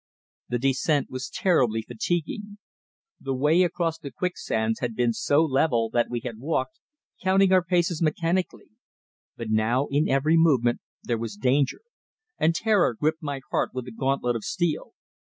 The descent was terribly fatiguing. The way across the quicksands had been so level that we had walked, counting our paces mechanically, but now in every movement there was danger, and terror gripped my heart with a gauntlet of steel.